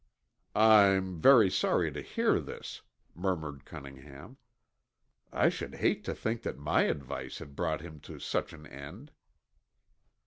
"I'm very sorry to hear this," murmured Cunningham. "I should hate to think that my advice had brought him to such an end."